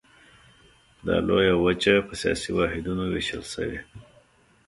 دا لویه وچه په سیاسي واحدونو ویشل شوې.